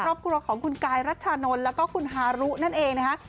ครอบครัวของกายรัชนบิลแล้วก็หารุนั่นเองนะคะ